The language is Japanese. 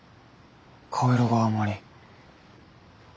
顔色があんまり。